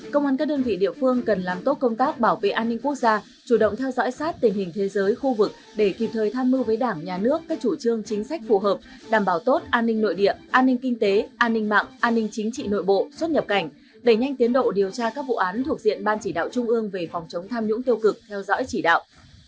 công an các đơn vị địa phương cần làm tốt công tác bảo vệ an ninh quốc gia chủ động theo dõi sát tình hình thế giới khu vực để kịp thời tham mưu với đảng nhà nước các chủ trương chính sách phù hợp đảm bảo tốt an ninh nội địa an ninh kinh tế an ninh mạng an ninh chính trị nội bộ xuất nhập cảnh đẩy nhanh tiến độ điều tra các vụ án thuộc diện ban chỉ đạo trung ương về phòng chống tham nhũng tiêu cực theo dõi chỉ đạo